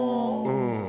うん。